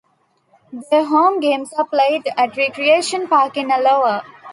Their home games are played at Recreation Park in Alloa.